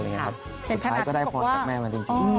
สุดท้ายก็ได้พรจากแม่มาจริง